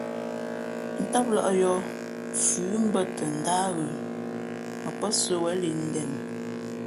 Tám lᾱʼ yōh, fʉ mbᾱ tα ndáh ghə, mα pά sə̌wēn lǐʼ ndēn nu.